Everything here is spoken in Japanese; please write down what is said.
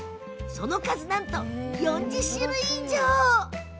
その数なんと、４０種類以上。